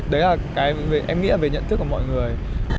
đấy là cái em nghĩ về nhận thức của mọi người